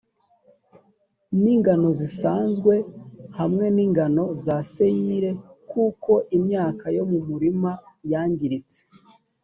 n ingano zisanzwe hamwe n ingano za sayiri kuko imyaka yo mu murima yangiritse